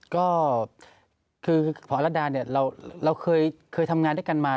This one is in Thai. ก็คือผรัฐดาเราเคยทำงานด้วยกันมา